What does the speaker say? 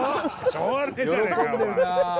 しょうがねえじゃねぇかよお前！